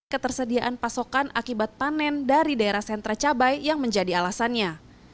ketersediaan pasokan akibat panen dari daerah sentra cabai yang menjadi alasannya